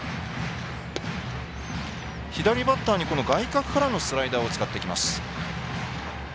左バッターに外角からのスライダーを使ってきます。